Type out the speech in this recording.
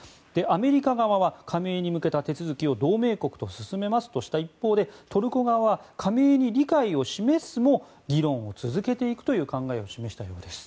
アメリカ側は加盟に向けた手続きを同盟国と進めますとしたうえでトルコ側は加盟に理解を示すも議論を続けていく考えを示しているんです。